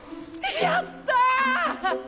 やったっ！